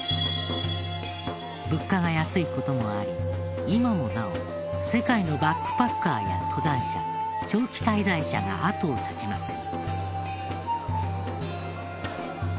物価が安い事もあり今もなお世界のバックパッカーや登山者長期滞在者が後を絶ちません。